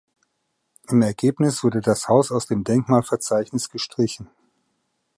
Im Ergebnis wurde das Haus aus dem Denkmalverzeichnis gestrichen.